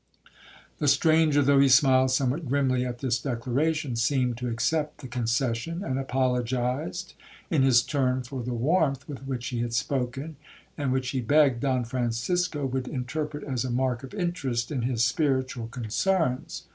'The stranger (though he smiled somewhat grimly at this declaration) seemed to accept the concession, and apologized, in his turn, for the warmth with which he had spoken; and which he begged Don Francisco would interpret as a mark of interest in his spiritual concerns.